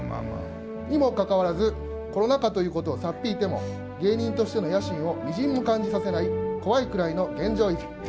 にもかかわらず、コロナ禍ということを差っ引いても、芸人としての野心をみじんも感じさせない怖いくらいの現状維持！